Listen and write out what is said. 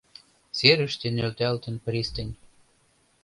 Серыште нӧлталтын пристань.